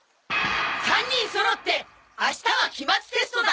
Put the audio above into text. ３人そろって明日は期末テストだ！